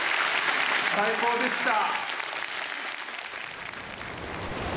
最高でした！